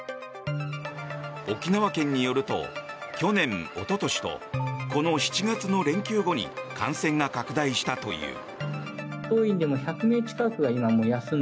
沖縄県によると去年、おととしとこの７月の連休後に感染が拡大したという。